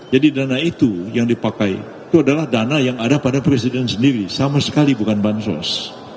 jadi dana itu yang dipakai itu adalah dana yang ada pada presiden sendiri sama sekali bukan bansos